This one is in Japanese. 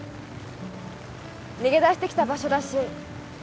逃げ出してきた場所だし